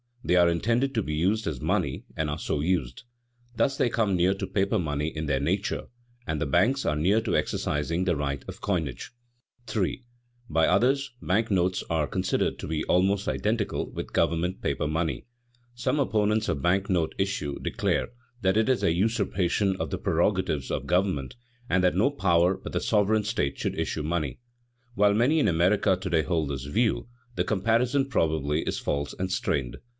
They are intended to be used as money and are so used. Thus they come near to paper money in their nature, and the banks are near to exercising the right of coinage. [Sidenote: Bank notes viewed as a form of political money] 3. By others, bank notes are considered to be almost identical with government paper money. Some opponents of bank note issue declare that it is a usurpation of the prerogatives of government, and that no power but the sovereign state should issue money. While many in America to day hold this view, the comparison probably is false and strained.